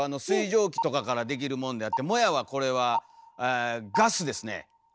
水蒸気とかからできるもんであってもやはこれはガスですね。